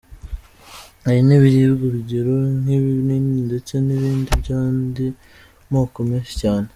Hari n’ibiribwa urugero nk’ibinini ndetse n’ibindi by’andi moko menshi cyane.